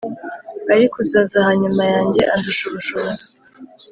ariko uzaza hanyuma yanjye andusha ubushobozi,